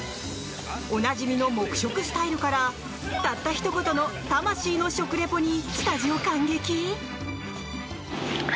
おなじみの黙食スタイルからたったひと言の魂の食リポにスタジオ感激？